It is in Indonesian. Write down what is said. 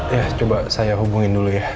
ya coba saya hubungin dulu ya